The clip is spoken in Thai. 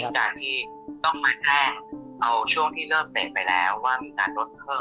การที่ต้องมาแช่งเอาช่วงที่เริ่มเตะไปแล้วว่ามีการลดเพิ่ม